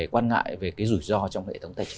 quan ngại về cái rủi ro trong hệ thống tài chính